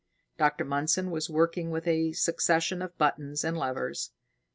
Dr. Mundson was working with a succession of buttons and levers.